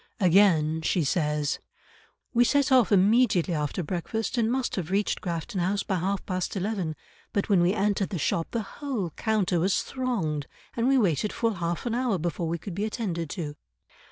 Again she says, "We set off immediately after breakfast, and must have reached Grafton House by half past eleven; but when we entered the shop the whole counter was thronged and we waited full half an hour before we could be attended to."